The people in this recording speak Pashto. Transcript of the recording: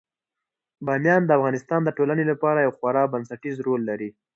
بامیان د افغانستان د ټولنې لپاره یو خورا بنسټيز رول لري.